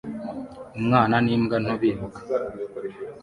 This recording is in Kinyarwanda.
Umwana n'imbwa nto biruka